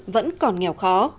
vẫn còn nghèo khó